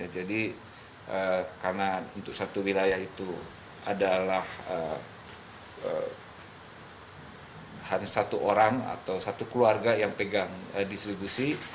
jadi karena untuk satu wilayah itu adalah hanya satu orang atau satu keluarga yang pegang distribusi